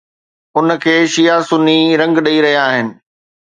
ان کي شيعه سني رنگ ڏئي رهيا آهن.